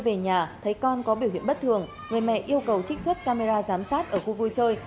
về nhà thấy con có biểu hiện bất thường người mẹ yêu cầu trích xuất camera giám sát ở khu vui chơi